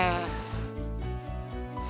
maaf banget ya pak